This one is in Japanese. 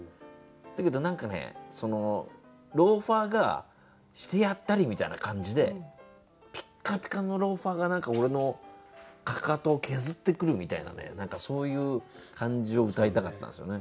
だけど何かローファーがしてやったりみたいな感じでピッカピカのローファーが俺のかかとを削ってくるみたいなそういう感じをうたいたかったんですよね。